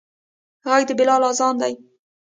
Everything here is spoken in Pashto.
غږ د بلال اذان دی